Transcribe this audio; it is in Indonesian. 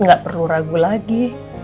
gak perlu ragu lagi